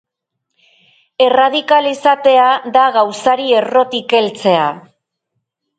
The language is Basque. Erradikal izatea da gauzari errotik heltzea.